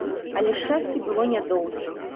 Але шчасце было нядоўгім.